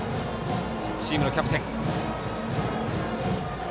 チームのキャプテン。